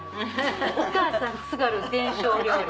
お母さん津軽伝承料理。